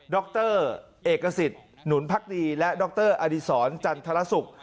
รเอกสิทธิ์หนุนพักดีและดรอดีศรจันทรศุกร์